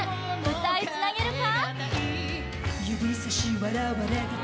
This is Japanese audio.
歌いつなげるか？